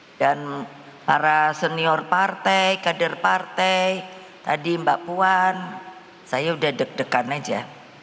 kemudian para senior partai kader partai tadi mbak puan saya udah deg degan aja